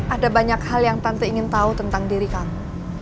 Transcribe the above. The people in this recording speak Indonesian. ada banyak hal yang tante ingin tahu tentang diri kamu